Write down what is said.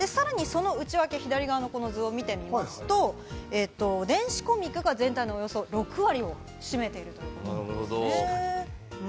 さらにその内訳、左側のこの図を見てみますと、電子コミックが全体のおよそ６割を占めている。